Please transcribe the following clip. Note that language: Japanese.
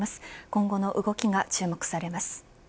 今後の動きが注目されます。